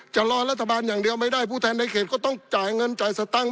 จะรอรัฐบาลอย่างเดียวไม่ได้ผู้แทนในเขตก็ต้องจ่ายเงินจ่ายสตังค์